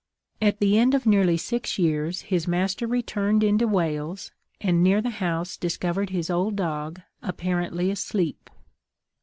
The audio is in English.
At the end of nearly six years his master returned into Wales, and near the house discovered his old dog, apparently asleep.